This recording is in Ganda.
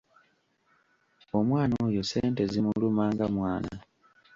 Omwana oyo ssente zimuluma nga mwana.